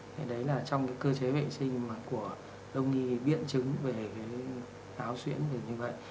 thế đấy là trong cái cơ chế vệ sinh mà của đông y biện chứng về cái áo xuyễn về như vậy